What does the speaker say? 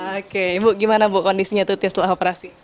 oke ibu gimana bu kondisinya itu setelah operasi